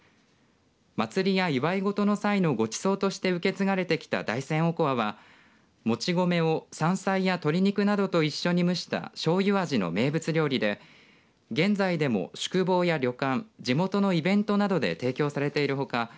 祭りや祝い事の際のごちそうとして受け継がれてきた大山おこわは、もち米を山菜や鶏肉などと一緒に蒸したしょうゆ味の名物料理で現在でも宿坊や旅館地元のイベントなどで提供されているほか